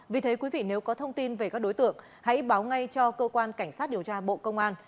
vì thế quý vị nếu có thông tin về các đối tượng hãy báo ngay cho cơ quan cảnh sát điều tra bộ công an